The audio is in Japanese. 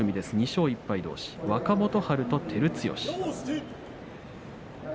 ２勝１敗どうし若元春と照強。